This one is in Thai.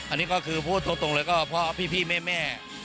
อันนี้ก็คือพูดตรงเลยก็เพราะพี่แม่